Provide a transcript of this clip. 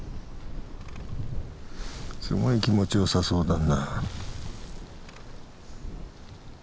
すごい気持ちよさそうだな。